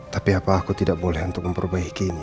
tapi apa aku tidak boleh untuk memperbaikinya